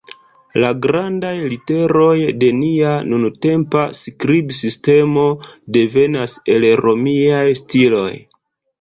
La grandaj literoj de nia nuntempa skribsistemo devenas el Romiaj stiloj.